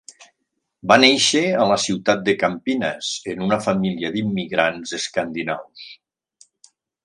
Va néixer a la ciutat de Campinas en una família d'immigrants escandinaus.